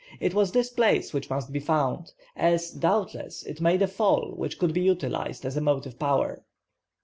It was this place which must be found, as, doubtless, it made a fall which could be utilized as a motive power.